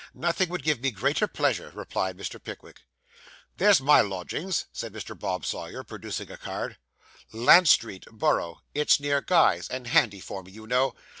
'Nothing would give me greater pleasure,' replied Mr. Pickwick. 'There's my lodgings,' said Mr. Bob Sawyer, producing a card. 'Lant Street, Borough; it's near Guy's, and handy for me, you know.